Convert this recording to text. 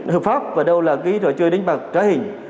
hợp pháp và đâu là cái trò chơi đánh bạc trá hình